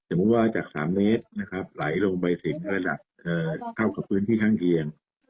มุติว่าจาก๓เมตรนะครับไหลลงไปถึงระดับเท่ากับพื้นที่ข้างเคียง